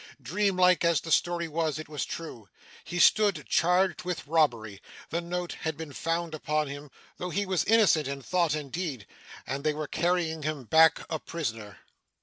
Dream like as the story was, it was true. He stood charged with robbery; the note had been found upon him, though he was innocent in thought and deed; and they were carrying him back, a prisoner.